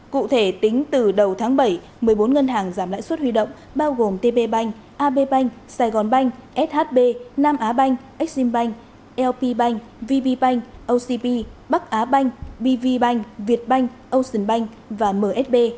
cụ thể tính từ đầu tháng bảy một mươi bốn ngân hàng giảm lãi suất huy động bao gồm tb bank ab bank saigon bank shb nam á bank exim bank lp bank vb bank ocp bắc á bank bv bank việt bank ocean bank và msb